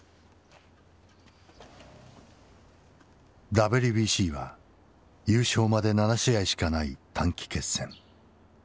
ＷＢＣは優勝まで７試合しかない短期決戦。